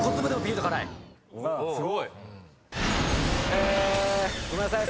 すごい！えごめんなさい。